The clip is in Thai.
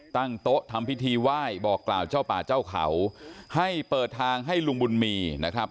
ตั้งโต๊ะทำพิธีไหว้บอกกล่าวเจ้าป่าเจ้าเขาให้เปิดทางให้ลุงบุญมีนะครับ